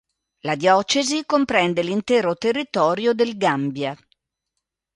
La diocesi comprende l'intero territorio del Gambia.